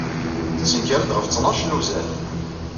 Tettekkar-d ɣef ttnac n uzal